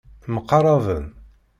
Mqaraben.